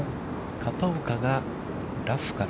片岡が、ラフから。